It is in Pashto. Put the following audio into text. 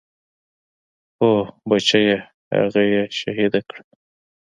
هو بچيه هغه يې شهيده کړه.